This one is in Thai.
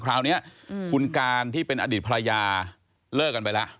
คราวนี้คุณการที่เป็นอดีตภรรยาเลิกกันไปแล้ว